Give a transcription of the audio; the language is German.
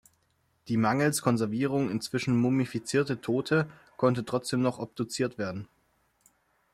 Die mangels Konservierung inzwischen mumifizierte Tote konnte trotzdem noch obduziert werden.